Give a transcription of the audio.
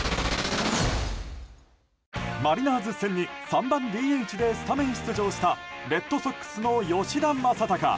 マリナーズ戦に３番ＤＨでスタメン出場したレッドソックスの吉田正尚。